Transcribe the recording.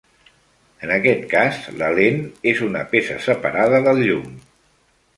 En aquest cas, la lent és una peça separada del llum.